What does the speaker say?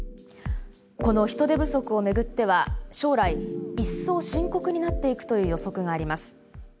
この人手不足をめぐっては将来一層深刻になっていくという予測があります。